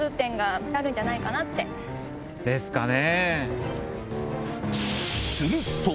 ですかね？